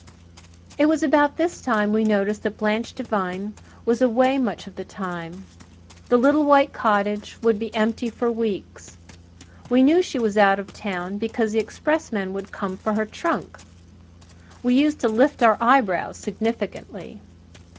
It was about this time we noticed that Blanche Devine was away much of the time. The little white cottage would be empty for a week. We knew she was out of town because the expressman would come for her trunk. We used to lift our eyebrows significantly.